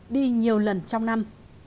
đi nhiều lần trong năm